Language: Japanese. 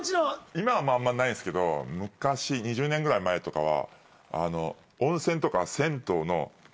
今はあんまないっすけど昔２０年ぐらい前とかは。